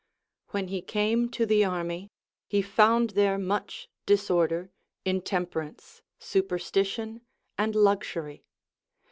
When he came to the army, he found there much disorder, intemperance, superstition, and luxury.